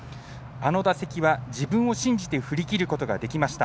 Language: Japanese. あの打席は自分を信じて振り切ることができました。